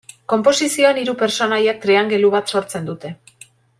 Konposizioan hiru pertsonaiak triangelu bat sortzen dute.